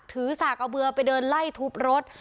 สากเอาเบื่อไปเดินไล่ทุบรถ